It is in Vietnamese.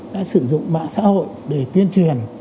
đã sử dụng mạng xã hội để tuyên truyền